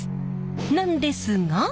なんですが。